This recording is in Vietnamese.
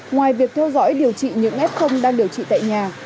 ngoài việc theo dõi điều trị những f đang điều trị tại nhà